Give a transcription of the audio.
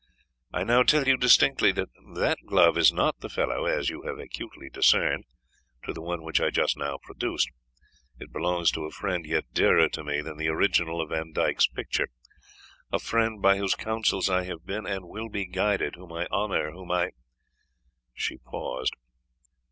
I now tell you distinctly, that that glove is not the fellow, as you have acutely discerned, to the one which I just now produced; it belongs to a friend yet dearer to me than the original of Vandyke's picture a friend by whose counsels I have been, and will be, guided whom I honour whom I" she paused.